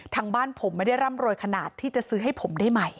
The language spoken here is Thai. ทางบ้านผมไม่ได้ร่ำรวยขนาดที่จะซื้อให้ผมได้ใหม่